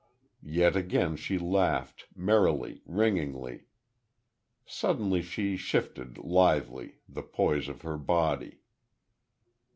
Yet again she laughed, merrily, ringingly. Suddenly she shifted, lithely, the poise of her body.